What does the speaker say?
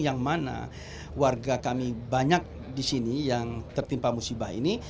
yang mana warga kami banyak di sini yang tertimpa musibah ini